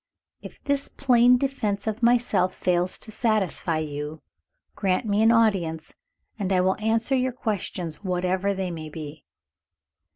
If this plain defense of myself fails to satisfy you, grant me an audience, and I will answer your questions, whatever they may be.